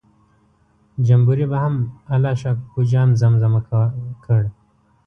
جمبوري به هم الله شا کوکو جان زمزمه کړ.